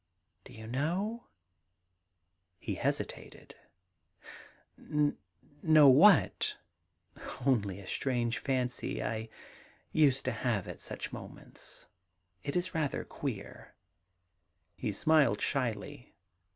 Do you know ?' he hesitated. * Know what ?' 'Only a strange fancy I used to have at such moments. It was rather queer' — he smiled shyly.